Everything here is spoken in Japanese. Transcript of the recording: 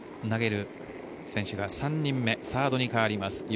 投げる選手が３人目サードに変わります